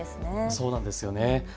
そうなんですよね。